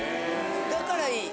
だからいい！